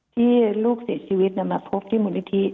ที่ลูกเสียชีวิตมาพบที่มูลนิธิ